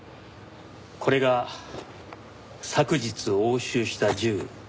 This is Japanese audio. これが昨日押収した銃。